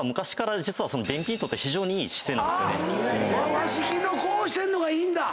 和式のこうしてんのがいいんだ。